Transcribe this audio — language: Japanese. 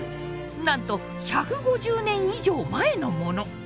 なんと１５０年以上前のもの。